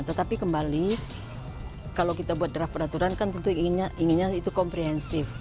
tetapi kembali kalau kita buat draft peraturan kan tentu inginnya itu komprehensif